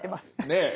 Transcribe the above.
ねえ。